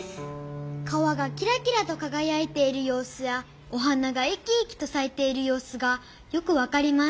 「川がきらきらとかがやいているようすやお花がいきいきとさいているようすがよくわかります」